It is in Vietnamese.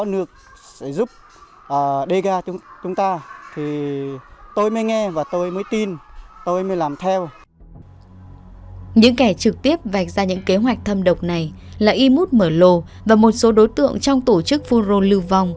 những kẻ trực tiếp vạch ra những kế hoạch thâm độc này là imut mờ lô và một số đối tượng trong tổ chức phun rôn lưu vong